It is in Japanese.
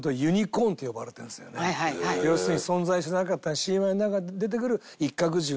要するに存在しなかった神話の中に出てくる一角獣の。